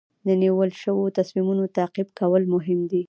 د نیول شوو تصمیمونو تعقیب کول مهم دي.